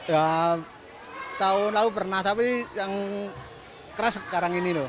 ya tahun lalu pernah tapi yang keras sekarang ini loh